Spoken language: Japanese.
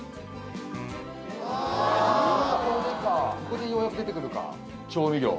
ここでようやく出てくるか調味料。